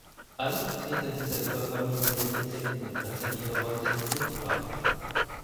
Alle Vertreter dieser Überfamilie sind Insektenfresser, die ihre Beute im Flug fangen.